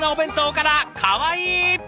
かわいい！